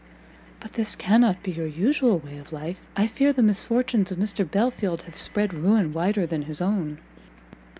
"But this cannot be your usual way of life; I fear the misfortunes of Mr Belfield have spread a ruin wider than his own."